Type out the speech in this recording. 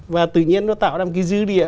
và tự nhiên nó tạo ra một cái dư địa